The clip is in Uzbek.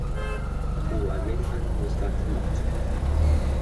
U Amerikani o‘zgartirmoqchi